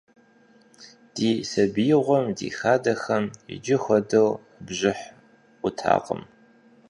Ди сабиигъуэм ди хадэхэм иджы хуэдэу бжыхь Ӏутакъым.